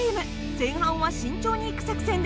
前半は慎重にいく作戦です。